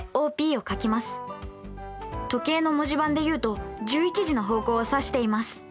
時計の文字盤で言うと１１時の方向を指しています。